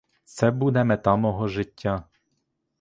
Це буде мета життя мого.